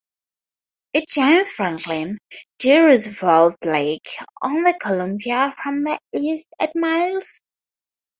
It joins Franklin D. Roosevelt Lake on the Columbia from the east at Miles.